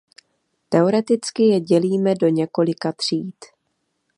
Teoreticky je dělíme do několika tříd.